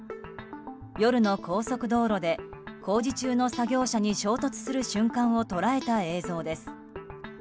夜の高速道路で工事中の作業車に衝突する瞬間を捉えた映像です。